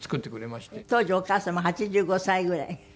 当時お母様８５歳ぐらい？